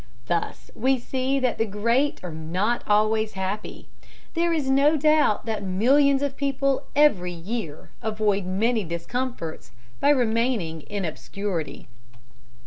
Thus we see that the great are not always happy. There is no doubt that millions of people every year avoid many discomforts by remaining in obscurity.